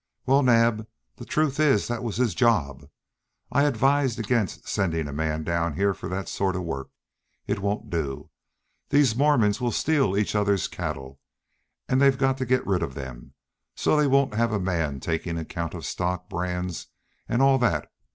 Well, Naab, the truth is that was his job. I advised against sending a man down here for that sort of work. It won't do. These Mormons will steal each other's cattle, and they've got to get rid of them; so they won't have a man taking account of stock, brands, and all that.